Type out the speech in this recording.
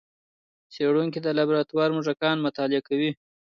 څېړونکي د لابراتوار موږکان مطالعه کوي.